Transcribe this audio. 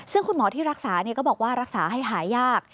ซึ่งคุณหมอที่รักษาก็บอกว่ารักษาให้หายาก